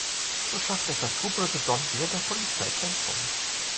So schaffte es der skrupellose Don, wieder der Polizei zu entkommen.